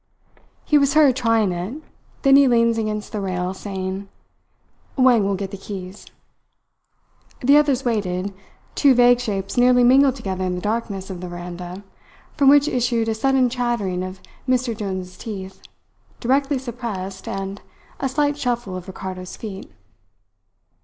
He was heard trying it. Then he leaned against the rail, saying: "Wang will get the keys." The others waited, two vague shapes nearly mingled together in the darkness of the veranda, from which issued a sudden chattering of Mr. Jones's teeth, directly suppressed, and a slight shuffle of Ricardo's feet.